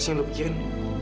tetapi tutup akun